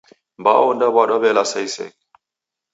Mbao ondaw'adwa w'elasa iseghe.